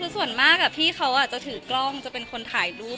คือส่วนมากพี่เขาจะถือกล้องจะเป็นคนถ่ายรูป